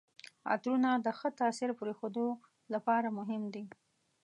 عطرونه د ښه تاثر پرېښودو لپاره مهم دي.